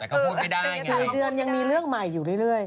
แต่เขาพูดไปได้ไงสี่เดือนยังมีเรื่องใหม่อยู่เรื่อย